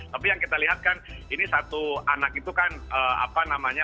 tapi yang kita lihat kan ini satu anak itu kan apa namanya